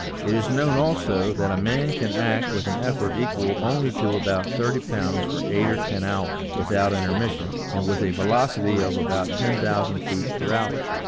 It is known also, that a man can act with an effort equal only to about 30 pounds for eight or ten hours, without intermission, and with a velocity of about 10,000 feet per hour.